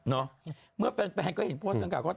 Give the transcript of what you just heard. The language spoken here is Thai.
เนอะเมื่อแฟนก็เห็นโพสต์นั้นกล่าว